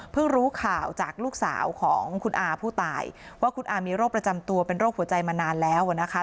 รู้ข่าวจากลูกสาวของคุณอาผู้ตายว่าคุณอามีโรคประจำตัวเป็นโรคหัวใจมานานแล้วนะคะ